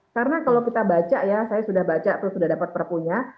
karena kalau kita baca ya saya sudah baca terus sudah dapat perpu nya